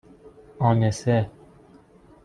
آنِسه